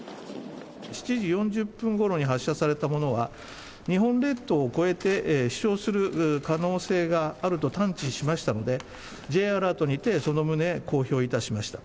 ７時４０分ごろに発射されたものは、日本列島を越えて飛しょうする可能性があると探知しましたので、Ｊアラートにて、そのむね公表いたしました。